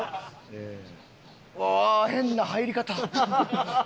ああ変な入り方。